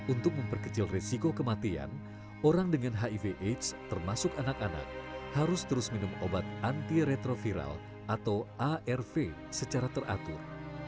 untuk memperkecil resiko kematian orang dengan hiv aids termasuk anak anak harus terus minum obat anti retroviral atau arv secara teratur